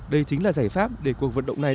đây chính là giải pháp để cuộc vận động này